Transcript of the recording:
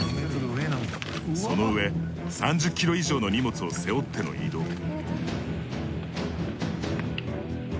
そのうえ３０ｋｇ以上の荷物を背負っての移動。